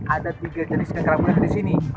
ada tiga jenis ikan kerapu yang ada di sini